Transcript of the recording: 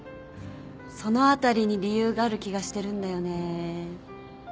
そのあたりに理由がある気がしてるんだよね。